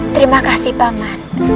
terima kasih bangan